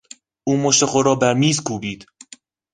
او مشت خود را بر میز کوبید.